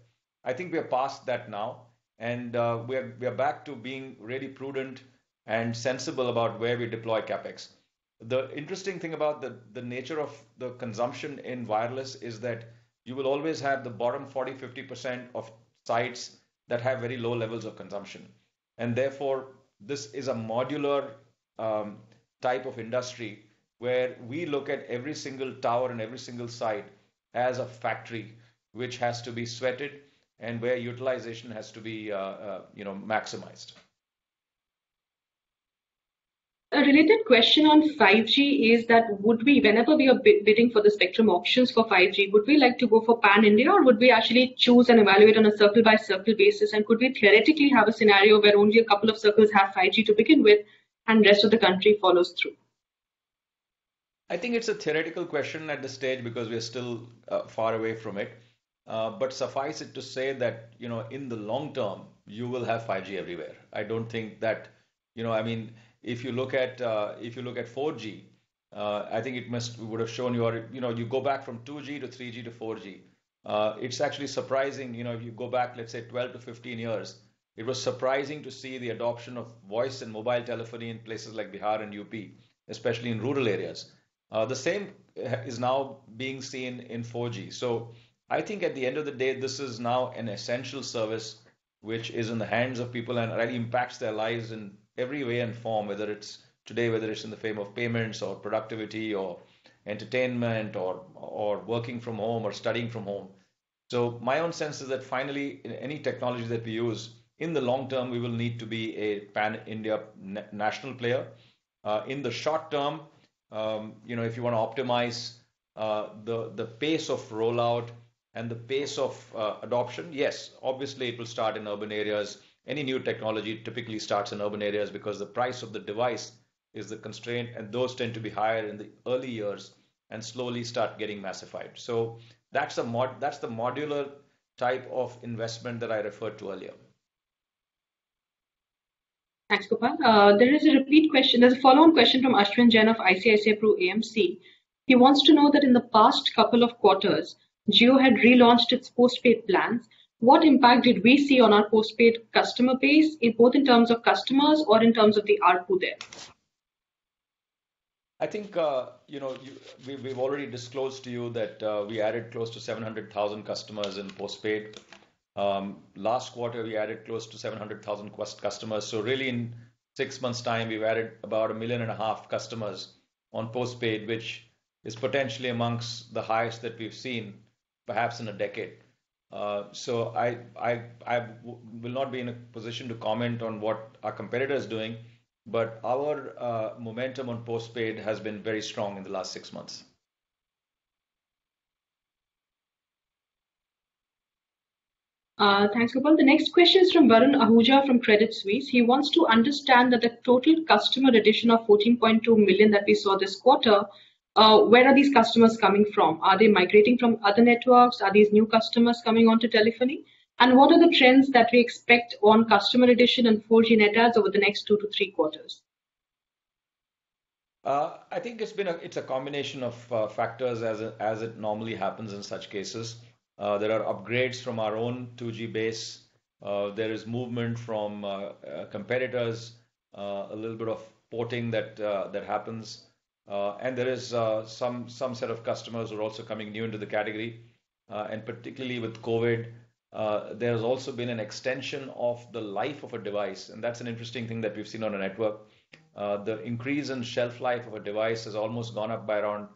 I think we are past that now, and we are back to being really prudent and sensible about where we deploy CapEx. The interesting thing about the nature of the consumption in wireless is that you will always have the bottom 40%-50% of sites that have very low levels of consumption. Therefore, this is a modular type of industry where we look at every single tower and every single site as a factory, which has to be sweated and where utilization has to be maximized. A related question on 5G is that whenever we are bidding for the spectrum auctions for 5G, would we like to go for pan-India, or would we actually choose and evaluate on a circle-by-circle basis? Could we theoretically have a scenario where only a couple of circles have 5G to begin with and rest of the country follows through? I think it's a theoretical question at this stage because we are still far away from it. Suffice it to say that, in the long term, you will have 5G everywhere. If you look at 4G, I think it would have shown you already. You go back from 2G to 3G to 4G. It's actually surprising, if you go back, let's say, 12-15 years, it was surprising to see the adoption of voice and mobile telephony in places like Bihar and U.P., especially in rural areas. The same is now being seen in 4G. I think at the end of the day, this is now an essential service which is in the hands of people and really impacts their lives in every way and form, whether it's today, whether it's in the form of payments or productivity or entertainment or working from home or studying from home. My own sense is that finally, any technology that we use, in the long term, we will need to be a pan-India national player. In the short term, if you want to optimize the pace of rollout and the pace of adoption, yes, obviously it will start in urban areas. Any new technology typically starts in urban areas because the price of the device is the constraint, and those tend to be higher in the early years and slowly start getting massified. That's the modular type of investment that I referred to earlier. Thanks, Gopal. There is a repeat question. There is a follow-on question from Ashwin Jain of ICICI Pru AMC. He wants to know that in the past couple of quarters, Jio had relaunched its postpaid plans. What impact did we see on our postpaid customer base, both in terms of customers or in terms of the ARPU there? I think, we've already disclosed to you that we added close to 700,000 customers in postpaid. Last quarter, we added close to 700,000 customers. Really in six months' time, we've added about 1.5 million customers on postpaid, which is potentially amongst the highest that we've seen perhaps in a decade. I will not be in a position to comment on what our competitor is doing, but our momentum on postpaid has been very strong in the last six months. Thanks, Gopal. The next question is from Varun Ahuja from Credit Suisse. He wants to understand that the total customer addition of 14.2 million that we saw this quarter, where are these customers coming from? Are they migrating from other networks? Are these new customers coming onto telephony? What are the trends that we expect on customer addition and 4G net adds over the next two to three quarters? I think it's a combination of factors as it normally happens in such cases. There are upgrades from our own 2G base. There is movement from competitors, a little bit of porting that happens, and there is some set of customers who are also coming new into the category. Particularly with COVID, there's also been an extension of the life of a device, and that's an interesting thing that we've seen on our network. The increase in shelf life of a device has almost gone up by around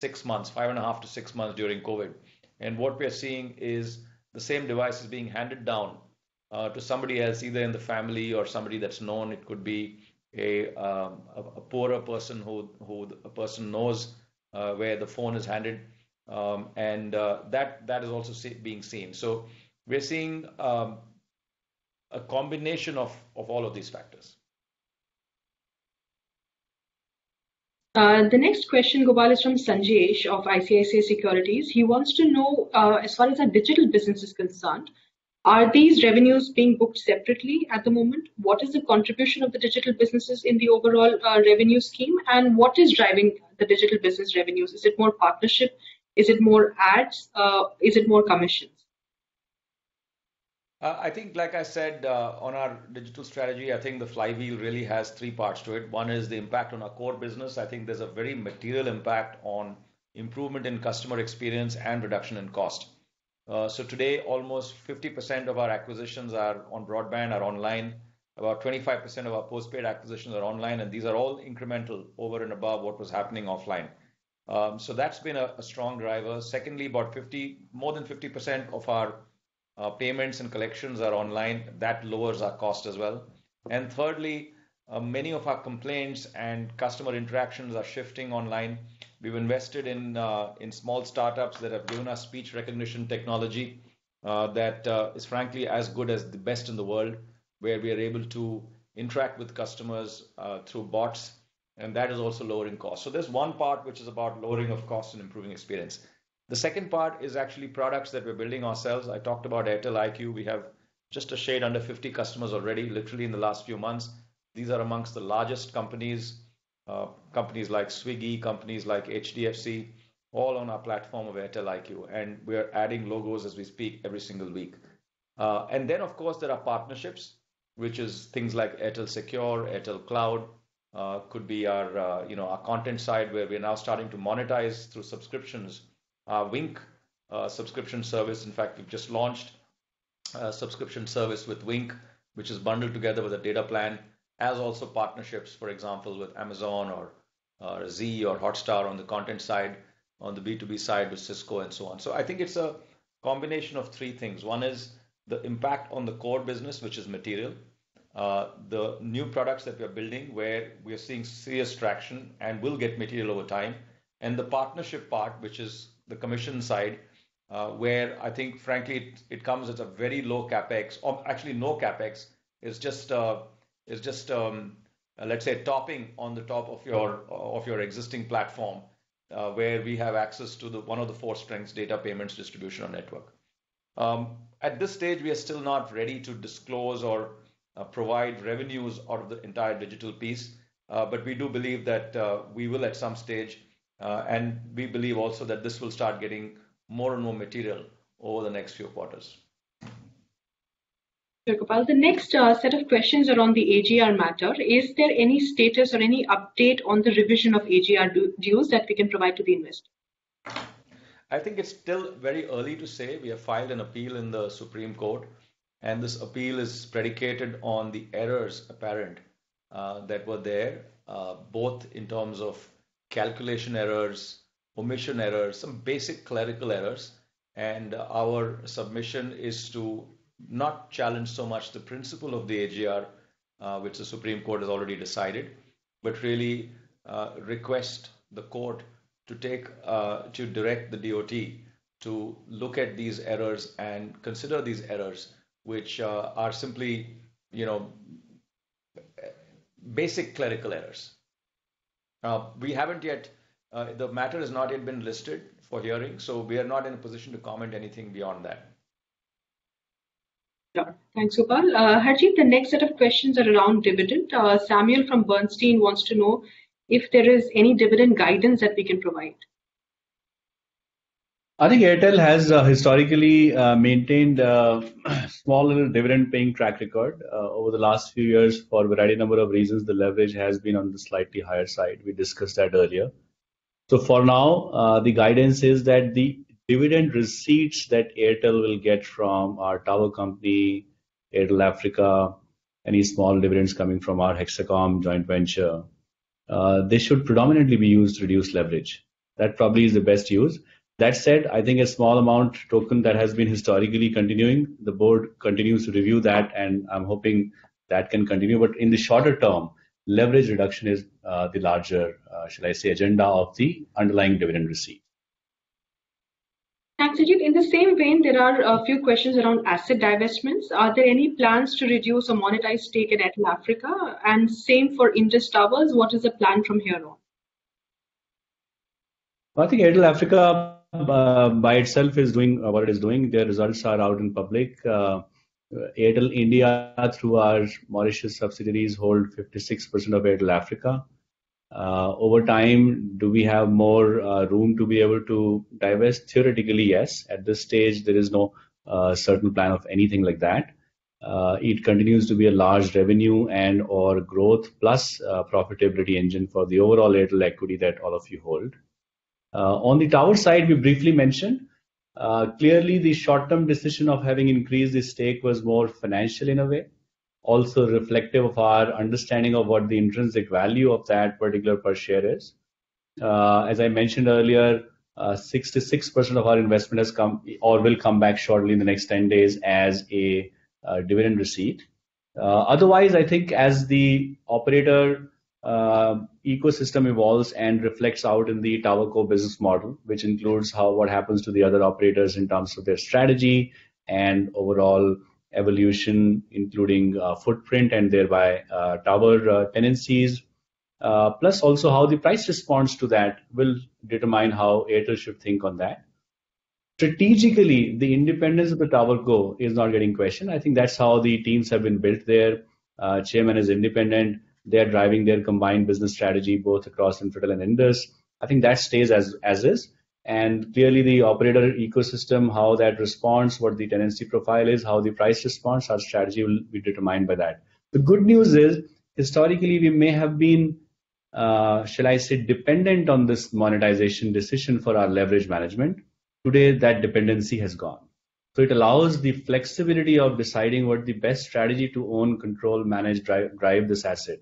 six months, 5.5 to six months during COVID. What we are seeing is the same device is being handed down to somebody else, either in the family or somebody that's known. It could be a poorer person who the person knows, where the phone is handed. That is also being seen. We're seeing a combination of all of these factors. The next question, Gopal, is from Sanjesh of ICICI Securities. He wants to know, as far as the digital business is concerned, are these revenues being booked separately at the moment? What is the contribution of the digital businesses in the overall revenue scheme, and what is driving the digital business revenues? Is it more partnership? Is it more ads? Is it more commissions? I think like I said on our digital strategy, I think the flywheel really has three parts to it. One is the impact on our core business. I think there's a very material impact on improvement in customer experience and reduction in cost. Today, almost 50% of our acquisitions on broadband are online. About 25% of our postpaid acquisitions are online, and these are all incremental over and above what was happening offline. That's been a strong driver. Secondly, more than 50% of our payments and collections are online. That lowers our cost as well. Thirdly, many of our complaints and customer interactions are shifting online. We've invested in small startups that have given us speech recognition technology, that is frankly as good as the best in the world, where we are able to interact with customers through bots, and that is also lowering costs. There's one part which is about lowering of cost and improving experience. The second part is actually products that we're building ourselves. I talked about Airtel IQ. We have just a shade under 50 customers already, literally in the last few months. These are amongst the largest companies like Swiggy, companies like HDFC, all on our platform of Airtel IQ. We are adding logos as we speak every single week. Of course, there are partnerships, which is things like Airtel Secure, Airtel Cloud. Could be our content side, where we are now starting to monetize through subscriptions, Wynk subscription service. In fact, we've just launched a subscription service with Wynk, which is bundled together with a data plan, as also partnerships, for example, with Amazon or Zee or Hotstar on the content side, on the B2B side with Cisco and so on. I think it's a combination of three things. One is the impact on the core business, which is material. The new products that we are building, where we are seeing serious traction and will get material over time. The partnership part, which is the commission side, where I think, frankly, it comes at a very low CapEx, or actually no CapEx. It's just, let's say, topping on the top of your existing platform, where we have access to one of the four strengths, data, payments, distribution, or network. At this stage, we are still not ready to disclose or provide revenues out of the entire digital piece. We do believe that we will at some stage, and we believe also that this will start getting more and more material over the next few quarters. Thank you, Gopal. The next set of questions are on the AGR matter. Is there any status or any update on the revision of AGR dues that we can provide to the investors? I think it's still very early to say. We have filed an appeal in the Supreme Court. This appeal is predicated on the errors apparent that were there, both in terms of calculation errors, omission errors, some basic clerical errors. Our submission is to not challenge so much the principle of the AGR, which the Supreme Court has already decided, but really request the court to direct the DoT to look at these errors and consider these errors, which are simply basic clerical errors. The matter has not yet been listed for hearing. We are not in a position to comment anything beyond that. Sure. Thanks, Gopal. Harjeet, the next set of questions are around dividend. Samuel from Bernstein wants to know if there is any dividend guidance that we can provide. I think Airtel has historically maintained a small little dividend-paying track record over the last few years. For a variety number of reasons, the leverage has been on the slightly higher side. We discussed that earlier. For now, the guidance is that the dividend receipts that Airtel will get from our tower company, Airtel Africa, any small dividends coming from our Hexacom joint venture, they should predominantly be used to reduce leverage. That probably is the best use. That said, I think a small amount token that has been historically continuing, the board continues to review that, and I'm hoping that can continue. In the shorter term, leverage reduction is the larger, should I say, agenda of the underlying dividend receipt. Thanks, Harjeet. In the same vein, there are a few questions around asset divestments. Are there any plans to reduce or monetize stake in Airtel Africa? Same for Indus Towers, what is the plan from here on? I think Airtel Africa by itself is doing what it is doing. Their results are out in public. Airtel India, through our Mauritius subsidiaries, hold 56% of Airtel Africa. Over time, do we have more room to be able to divest? Theoretically, yes. At this stage, there is no certain plan of anything like that. It continues to be a large revenue and/or growth plus profitability engine for the overall Airtel equity that all of you hold. On the tower side, we briefly mentioned, clearly the short-term decision of having increased the stake was more financial in a way, also reflective of our understanding of what the intrinsic value of that particular per share is. As I mentioned earlier, 66% of our investment will come back shortly in the next 10 days as a dividend receipt. Otherwise, I think as the operator ecosystem evolves and reflects out in the towerco business model, which includes what happens to the other operators in terms of their strategy and overall evolution, including footprint and thereby tower tenancies. Also how the price responds to that will determine how Airtel should think on that. Strategically, the independence of the towerco is not getting questioned. I think that's how the teams have been built there. Chairman is independent. They're driving their combined business strategy both across Infratel and Indus. I think that stays as is. Clearly the operator ecosystem, how that responds, what the tenancy profile is, how the price responds, our strategy will be determined by that. The good news is, historically, we may have been, shall I say, dependent on this monetization decision for our leverage management. Today, that dependency has gone. It allows the flexibility of deciding what the best strategy to own, control, manage, drive this asset,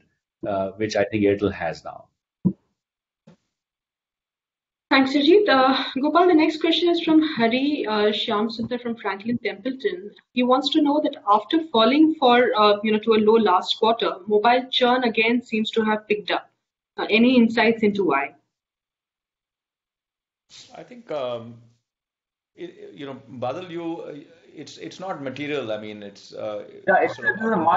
which I think Airtel has now. Thanks, Harjeet. Gopal, the next question is from Hari Shyamsunder from Franklin Templeton. He wants to know that after falling to a low last quarter, mobile churn again seems to have picked up. Any insights into why? I think, Badal, it's not material. Yeah, it's marginal.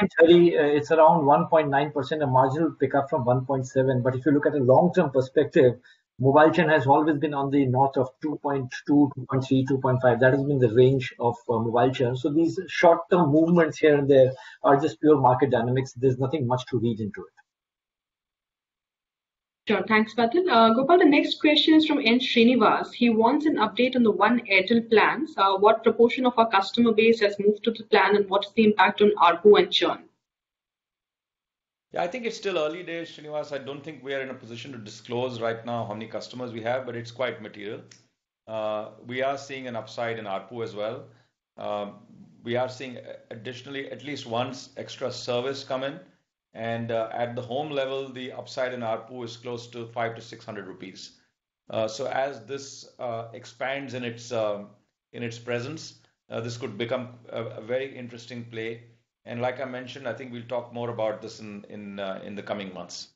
It's around 1.9% of marginal pickup from 1.7. If you look at a long-term perspective, mobile churn has always been on the north of 2.2, 2.3, 2.5. That has been the range of mobile churn. These short-term movements here and there are just pure market dynamics. There's nothing much to read into it. Sure. Thanks, Badal. Gopal, the next question is from N. Srinivas. He wants an update on the One Airtel plan. What proportion of our customer base has moved to the plan, and what is the impact on ARPU and churn? Yeah, I think it's still early days, Srinivas. I don't think we are in a position to disclose right now how many customers we have, but it's quite material. We are seeing an upside in ARPU as well. We are seeing additionally, at least one extra service come in. At the home level, the upside in ARPU is close to 500-600 rupees. As this expands in its presence, this could become a very interesting play. Like I mentioned, I think we'll talk more about this in the coming months.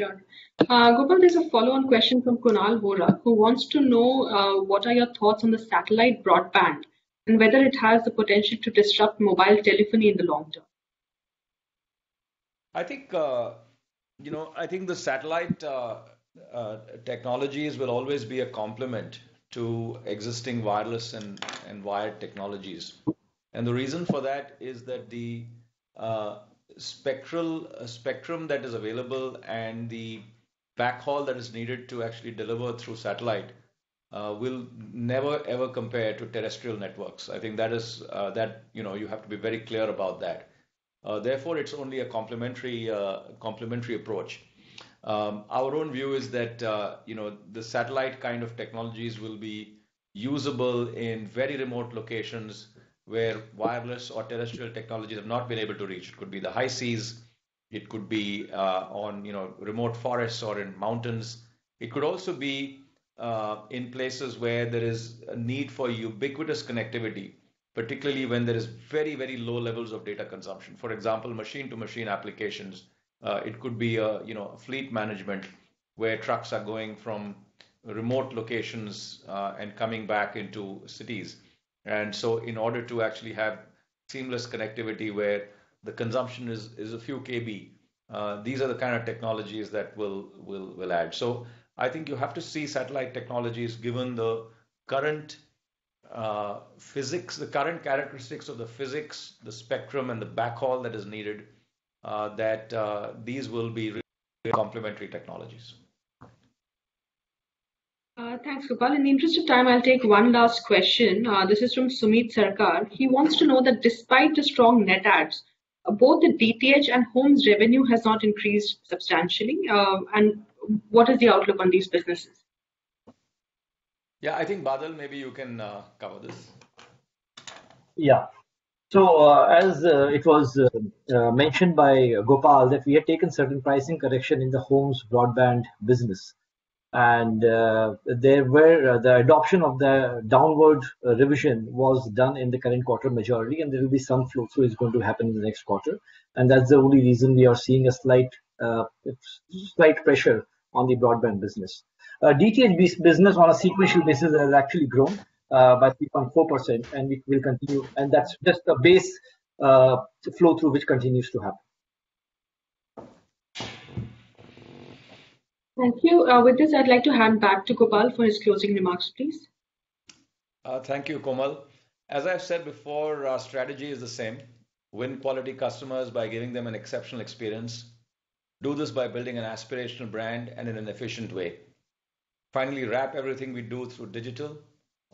Sure. Gopal, there's a follow-on question from Kunal Vora, who wants to know what are your thoughts on the satellite broadband and whether it has the potential to disrupt mobile telephony in the long term? I think the satellite technologies will always be a complement to existing wireless and wired technologies. The reason for that is that the spectrum that is available and the backhaul that is needed to actually deliver through satellite will never, ever compare to terrestrial networks. I think that you have to be very clear about that. It's only a complementary approach. Our own view is that the satellite kind of technologies will be usable in very remote locations where wireless or terrestrial technologies have not been able to reach. It could be the high seas, it could be on remote forests or in mountains. It could also be in places where there is a need for ubiquitous connectivity, particularly when there is very low levels of data consumption. For example, machine-to-machine applications. It could be fleet management, where trucks are going from remote locations and coming back into cities. In order to actually have seamless connectivity where the consumption is a few KB, these are the kind of technologies that will add. I think you have to see satellite technologies, given the current characteristics of the physics, the spectrum, and the backhaul that is needed, that these will be really complementary technologies. Thanks, Gopal. In the interest of time, I'll take one last question. This is from Sumit Sarkar. He wants to know that despite the strong net adds, both the DTH and homes revenue has not increased substantially. What is the outlook on these businesses? Yeah, I think, Badal, maybe you can cover this. As it was mentioned by Gopal, that we had taken certain pricing correction in the homes broadband business. The adoption of the downward revision was done in the current quarter majority, and there will be some flow is going to happen in the next quarter. That's the only reason we are seeing a slight pressure on the broadband business. DTH business on a sequential basis has actually grown by 3.4%, and it will continue, and that's just the base flow through which continues to happen. Thank you. With this, I'd like to hand back to Gopal for his closing remarks, please. Thank you, Komal. As I've said before, our strategy is the same. Win quality customers by giving them an exceptional experience. Do this by building an aspirational brand and in an efficient way. Finally, wrap everything we do through digital,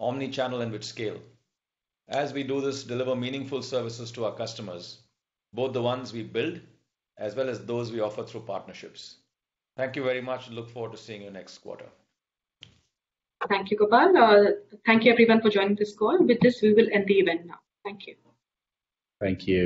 omnichannel, and with scale. As we do this, deliver meaningful services to our customers, both the ones we build as well as those we offer through partnerships. Thank you very much. Look forward to seeing you next quarter. Thank you, Gopal. Thank you, everyone, for joining this call. With this, we will end the event now. Thank you. Thank you.